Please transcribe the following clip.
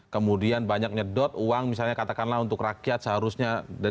kemudian banyak nyedot uang misalnya katakanlah untuk rakyat seharusnya